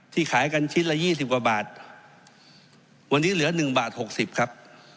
ขายกันชิ้นละยี่สิบกว่าบาทวันนี้เหลือ๑บาท๖๐ครับ